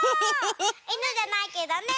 いぬじゃないけどね。